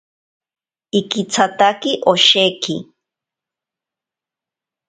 Ikitsatake osheki.